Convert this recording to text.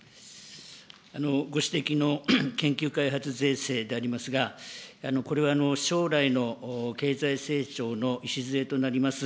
ご指摘の研究開発税制でありますが、これは将来の経済成長の礎となります